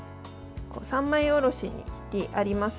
３枚おろしにしてあります